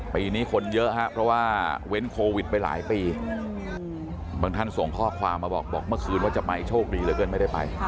ปีนี้คนเยอะครับเพราะว่าเว้นโควิดไปหลายปี